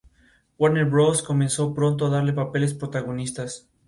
Warner Bros comenzó pronto a darle papeles protagonistas.